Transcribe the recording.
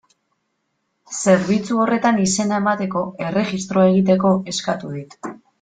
Zerbitzu horretan izena emateko, erregistroa egiteko, eskatu dit.